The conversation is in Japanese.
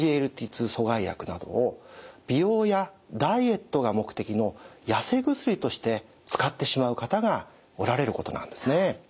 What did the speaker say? ２阻害薬などを美容やダイエットが目的のやせ薬として使ってしまう方がおられることなんですね。